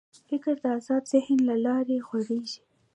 فکر د آزاد ذهن له لارې غوړېږي.